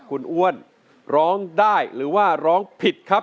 คุณอ้วนร้องได้หรือว่าร้องผิดครับ